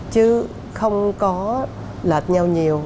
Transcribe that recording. chứ không có lệch nhau nhiều